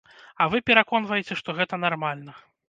А вы пераконваеце, што гэта нармальна.